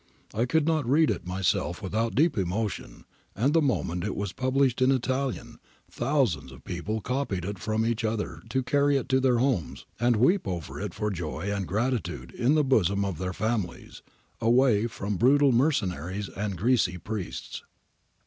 I could not read it myself without deep emotion, and the moment it was published in Italian, thousands of people copied it from each other to carry it to their homes and weep over it for joy and gratitude in the bosom of their families, away from brutal mercenaries and greasy priests.